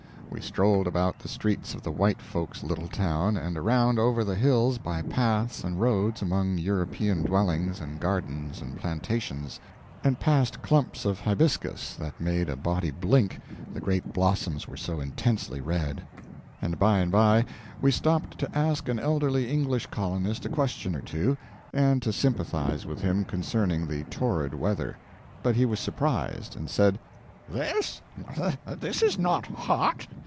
We strolled about the streets of the white folks' little town, and around over the hills by paths and roads among European dwellings and gardens and plantations, and past clumps of hibiscus that made a body blink, the great blossoms were so intensely red; and by and by we stopped to ask an elderly English colonist a question or two, and to sympathize with him concerning the torrid weather; but he was surprised, and said: "This? This is not hot.